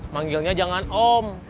manggilnya jangan om